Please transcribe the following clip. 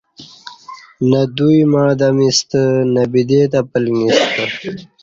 نہ دوی مع دمیستہ نہ بدی تہ پلݣیستہ